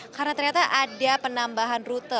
karena ternyata ada penambahan rute